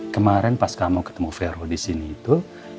kemarin pas kamu ketemu vero disini itu